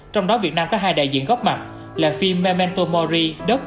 trong đó việt nam có hai đại diện góp mặt là phim memento mori